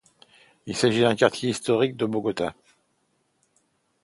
Il s'agit d'un quartier historique de Bogota.